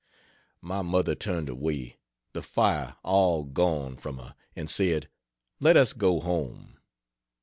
My mother turned away, the fire all gone from her, and said, "Let us go home."